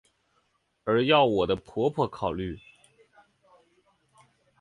而要我的婆婆考虑！